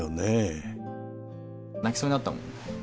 泣きそうになったもん。